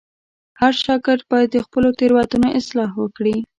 هر شاګرد باید د خپلو تېروتنو اصلاح وکړي.